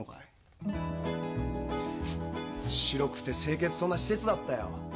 「白くて清潔そうな施設だったよ。